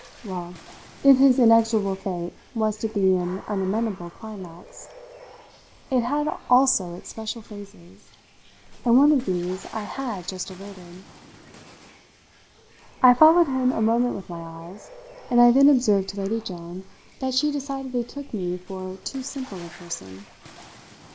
Well, if his inexorable fate was to be an unnameable climax, it had also its special phases, and one of these I had just averted. I followed him a moment with my eyes, and I then observed to Lady John that she decidedly took me for too simple a person.